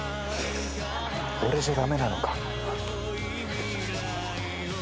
俺じゃダメなのか？